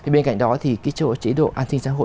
bên cạnh đó thì cái chỗ chế độ an sinh xã hội